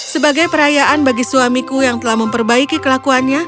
sebagai perayaan bagi suamiku yang telah memperbaiki kelakuannya